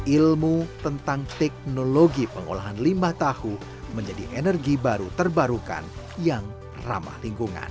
ilmu tentang teknologi pengolahan limbah tahu menjadi energi baru terbarukan yang ramah lingkungan